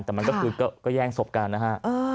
แต่มันก็คือก็แย่งศพกันนะฮะ